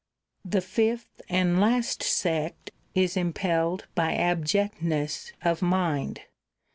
The fifth and last sect is impelled by abject v. ness of mind.